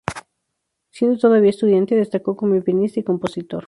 Siendo todavía estudiante, destacó como pianista y compositor.